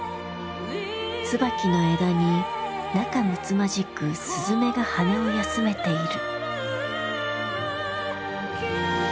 椿の枝に仲むつまじく雀が羽を休めている。